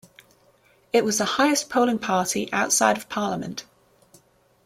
It was the highest polling party outside of parliament.